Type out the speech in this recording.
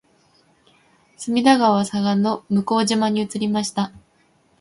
隅田川左岸の向島に移りました